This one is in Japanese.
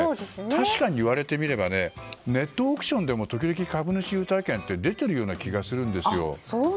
確かに言われてみればネットオークションでも時々、株主優待券って出てる気がするんですよ。